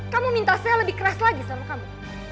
kamu minta saya lebih keras lagi sama kamu